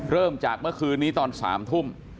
เริ่มจากเมื่อคืนนี้ตอน๓ทุ่ม